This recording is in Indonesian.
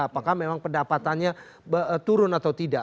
apakah memang pendapatannya turun atau tidak